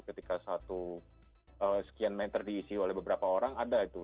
ketika satu sekian meter diisi oleh beberapa orang ada itu